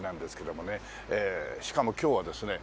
しかも今日はですね